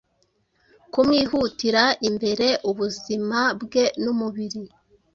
Kumwihutira imbere Ubuzima bwe numubiri